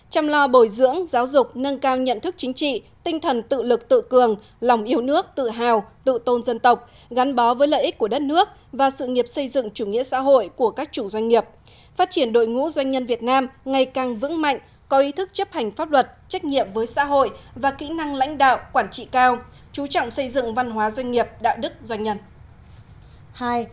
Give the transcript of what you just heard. chăm lo bồi dưỡng giáo dục nâng cao nhận thức chính trị tinh thần tự lực tự cường lòng yêu nước tự hào tự tôn dân tộc gắn bó với lợi ích của đất nước và sự nghiệp xây dựng chủ nghĩa xã hội của các chủ doanh nghiệp phát triển đội ngũ doanh nhân việt nam ngày càng vững mạnh có ý thức chấp hành pháp luật trách nhiệm với xã hội và kỹ năng lãnh đạo quản trị cao chú trọng xây dựng văn hóa doanh nghiệp đạo đức doanh nhân